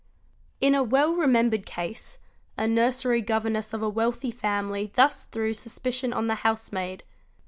In a well remembered case a nursery governess of a wealthy family thus threw suspicion on the housemaid.